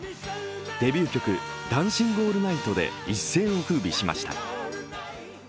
デビュー曲「ダンシング・オールナイト」で一世をふうびしました。